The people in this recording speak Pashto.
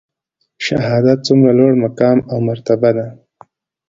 شهادت څومره لوړ مقام او مرتبه ده؟